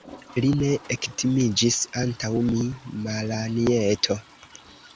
Li ne ektimiĝis antaŭ mi, Malanjeto.